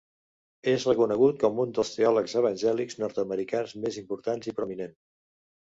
És reconegut com un dels teòlegs evangèlics nord-americans més important i prominent.